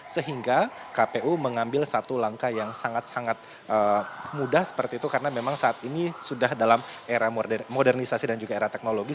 sehingga kpu mengambil satu langkah yang sangat sangat mudah seperti itu karena memang saat ini sudah dalam era modernisasi dan juga era teknologi